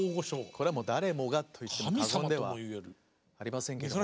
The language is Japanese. これは誰もがと言っても過言ではありませんけども。